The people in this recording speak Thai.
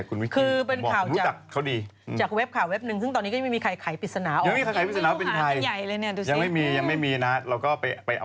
คือเป็นค่าวจากเข้าดี